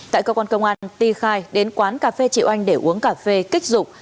tại cơ quan công an ti khai đến quán cà phê triệu anh để uống cà phê kích dục